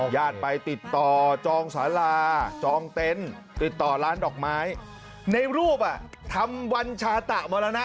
ญาติไปติดต่อจองสาราจองเต็นต์ติดต่อร้านดอกไม้ในรูปอ่ะทำวันชาตะมาแล้วนะ